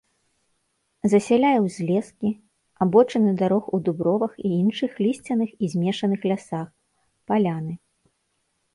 Засяляе узлескі, абочыны дарог у дубровах і іншых лісцяных і змешаных лясах, паляны.